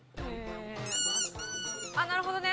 あっなるほどね。